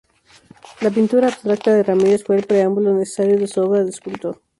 La pintura abstracta de Ramírez fue el preámbulo necesario de su obra de escultor.